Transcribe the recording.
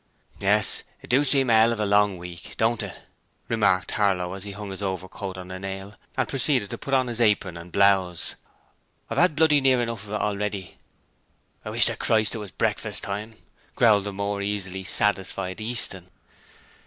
'Yes, it do seem a 'ell of a long week, don't it?' remarked Harlow as he hung his overcoat on a nail and proceeded to put on his apron and blouse. 'I've 'ad bloody near enough of it already.' 'Wish to Christ it was breakfast time,' growled the more easily satisfied Easton.